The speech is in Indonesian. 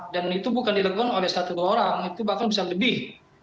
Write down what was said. dan itu bukan dilakukan oleh satu orang itu bahkan bisa lebih